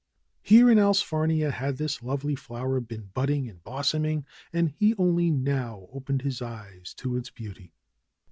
Here in Allsfarnia had this lovely flower been budding and blossoming, and he only now opened his eyes to its beauty.